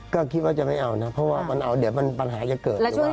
ก็คิดว่าจะไม่เอานะเพราะว่ามันเอาเดี๋ยวปัญหาจะเกิดอยู่